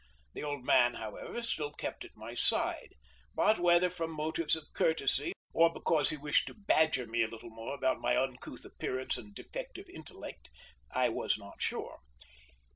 The old man, however, still kept at my side; but whether from motives of courtesy, or because he wished to badger me a little more about my uncouth appearance and defective intellect, I was not sure.